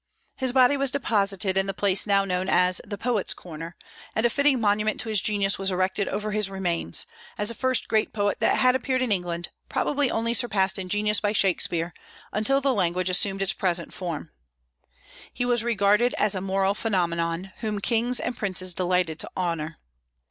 His body was deposited in the place now known as the Poets' Corner, and a fitting monument to his genius was erected over his remains, as the first great poet that had appeared in England, probably only surpassed in genius by Shakspeare, until the language assumed its present form. He was regarded as a moral phenomenon, whom kings and princes delighted to honor.